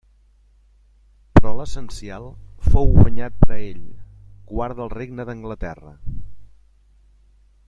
Però l'essencial fou guanyat per a ell: guarda el Regne d'Anglaterra.